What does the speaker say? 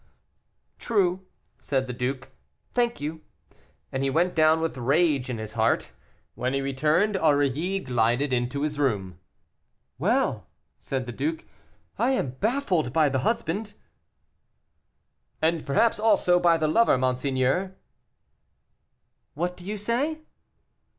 "True," said the duke, "thank you." And he went down with rage in his heart. When he returned home, Aurilly glided into his room. "Well," said the duke, "I am baffled by the husband!" "And, perhaps, also by the lover, monseigneur." "What do you say?"